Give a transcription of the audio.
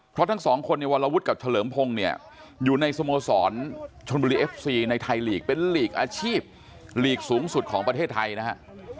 เพราะทั้งสองคนในวรวุฒิกับเฉลิมพงศ์เนี่ยอยู่ในสโมสรชนบุรีเอฟซีในไทยลีกเป็นลีกอาชีพหลีกสูงสุดของประเทศไทยนะฮะ